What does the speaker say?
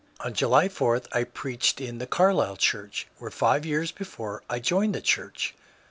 On July 4 I preached in the Carlisle church where five years before I joined the church.